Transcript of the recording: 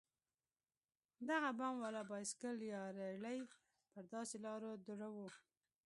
دغه بم والا بايسېکل يا رېړۍ پر داسې لارو دروو.